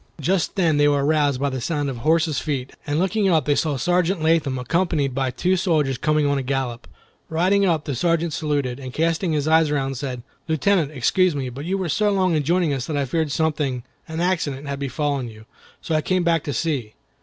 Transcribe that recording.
Just then they were aroused by the sound of horses' feet, and looking up they saw Sergeant Latham accompanied by two soldiers coming on a gallop. Riding up, the Sergeant saluted, and casting his sharp eyes around, said, "Lieutenant, excuse me, but you were so long in joining us that I feared something—an accident—had befallen you, so I came back to see.